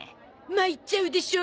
まいっちゃうでしょ。